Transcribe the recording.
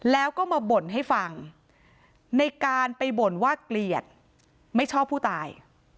แล้วก็มาบ่นให้ฟังในการไปบ่นว่าเกลียดไม่ชอบผู้ตาย